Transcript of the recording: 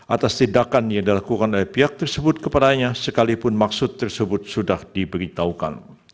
atas tindakan yang dilakukan oleh pihak tersebut kepadanya sekalipun maksud tersebut sudah diberitahukan